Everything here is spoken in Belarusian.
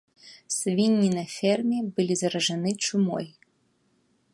Свінні на ферме былі заражаны чумой.